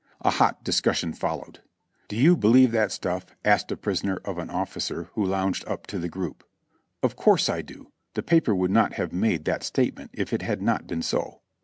A hot discussion followed : "Do you believe that stuff?" asked a prisoner of an ofificer who lounged up to the group. "Of course I do ; the paper would not have made the state ment if it had not been so."